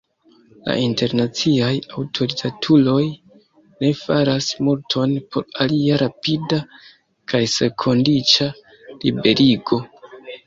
La internaciaj aŭtoritatuloj ne faras multon por ilia rapida kaj senkondiĉa liberigo.